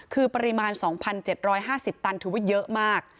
คือปริมาณ๒๗๕๐ตันถือว่าเยอะมาก